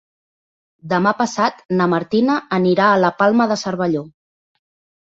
Demà passat na Martina anirà a la Palma de Cervelló.